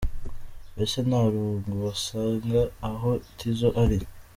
Mbese nta rungu wasanga aho Tizzo ari.